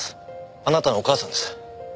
あなたのお母さんです。